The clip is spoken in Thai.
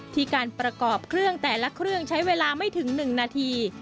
การประกอบเครื่องแต่ละเครื่องใช้เวลาไม่ถึง๑นาที